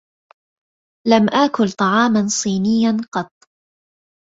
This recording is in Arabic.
لم آكل طعاما صينيا قط.